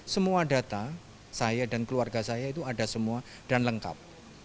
semua data saya dan keluarga saya itu ada semua dan lengkap